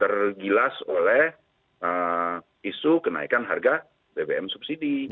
tergilas oleh isu kenaikan harga bbm subsidi